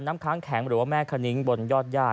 น้ำค้างแข็งหรือแม่คะนิ้งบนยอดญา